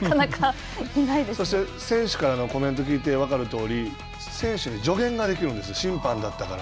そして、選手からのコメントを聞いて分かるとおり、選手に助言ができるんです審判だったから。